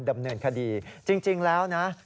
ดำเนินคดีจริงแล้วนะ